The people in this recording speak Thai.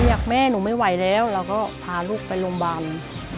อยากแม่หนูไม่ไหวแล้วเราก็พาลูกไปโรงพยาบาล